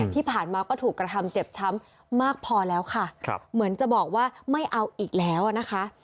ที่ผ่านมาก็ถูกกระทำเจ็บช้ำมากพอแล้วค่ะเหมือนจะบอกว่าไม่เอาอีกแล้วนะคะ